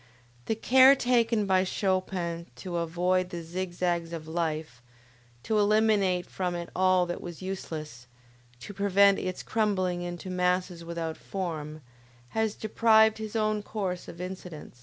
The care taken by Chopin to avoid the zig zags of life, to eliminate from it all that was useless, to prevent its crumbling into masses without form, has deprived his own course of incident.